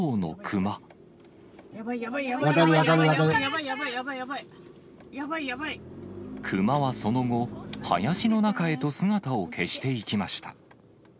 熊はその後、林の中へと姿を消していきました。